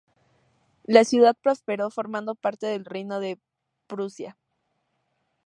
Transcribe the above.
La ciudad prosperó formando parte del Reino de Prusia.